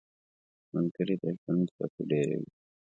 • ملګري د ژوند خوښي ډېروي.